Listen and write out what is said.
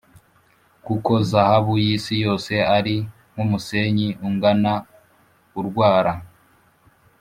kuko zahabu y’isi yose ari nk’umusenyi ungana urwara,